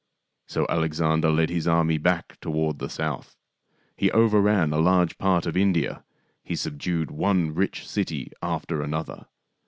So Alexander led his army back toward the south. He overran a large part of India. He subdued one rich city after another.